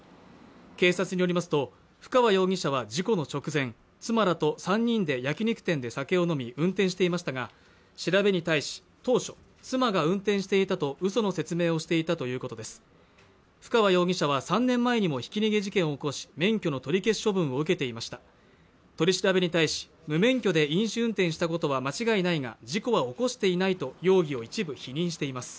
警察によりますと府川容疑者は事故の直前妻と３人で焼肉店で酒を飲み運転していましたが調べに対し当初妻が運転していたと嘘の説明をしていたということです府川容疑者は３年前にもひき逃げ事件を起こし免許の取り消し処分を受けていました取り調べに対し無免許で飲酒運転したことは間違いないが事故は起こしていないと容疑を一部否認しています